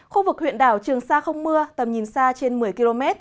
khu vực huyện đảo trường sa không mưa tầm nhìn xa trên một mươi km